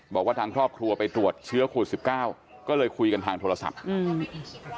บอกว่าทางครอบครัวไปตรวจเชื้อโควิดสิบเก้าก็เลยคุยกันทางโทรศัพท์อืม